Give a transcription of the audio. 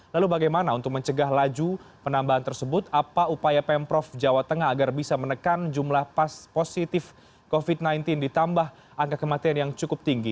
lalu bagaimana untuk mencegah laju penambahan tersebut apa upaya pemprov jawa tengah agar bisa menekan jumlah pas positif covid sembilan belas ditambah angka kematian yang cukup tinggi